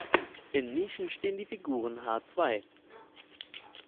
In Nischen stehen die Figuren Hll.